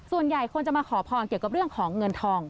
ส่วนใหญ่คนจะมาขอพรเกี่ยวกับเรื่องของเงินทอง